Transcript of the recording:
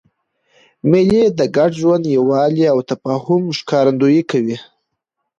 مېلې د ګډ ژوند، یووالي او تفاهم ښکارندویي کوي.